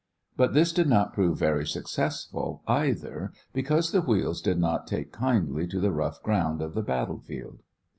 But this did not prove very successful, either, because the wheels did not take kindly to the rough ground of the battle field.